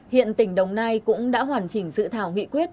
hiện tỉnh đồng nai cũng đã hoàn chỉnh dự thảo nghị quyết